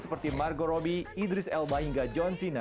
seperti margot robbie idris elba hingga john cena